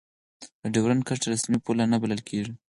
د دیورند کرښه رسمي پوله نه بلله کېږي.